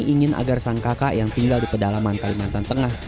ingin agar sang kakak yang tinggal di pedalaman kalimantan tengah